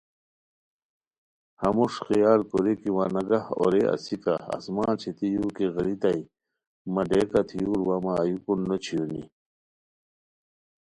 ہموݰ خیال کوری کی وانگہ اورے اسیکہ آسمان چھیتی یُو کی غیریتائے مہ ڈیکہ تھیور وا مہ ایوکون نو چھییونی